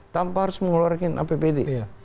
tanpa harus mengeluarkan apbd